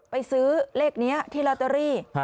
ไปซื้อเลขนี้ที่ลอตเตอรี่